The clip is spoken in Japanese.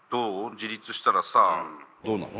自立したらさどうなの？